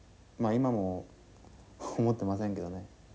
今も思ってませんけどね。